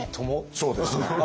そうですね。